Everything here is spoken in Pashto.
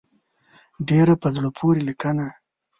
ډېره په زړه پورې لیکنه.